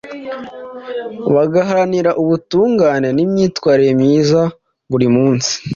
bagaharanira ubutungane n’imyitwarire myiza buri munsi.